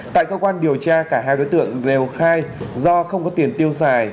tại cơ quan điều tra cả hai đối tượng đều khai do không có tiền tiêu xài